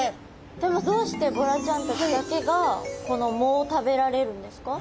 でもどうしてボラちゃんたちだけがこの藻を食べられるんですか？